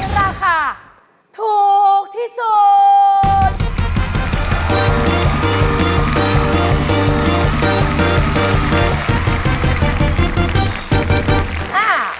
ตัวค่ะถูกที่สุด